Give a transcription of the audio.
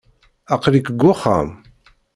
Aql-ik deg wexxam?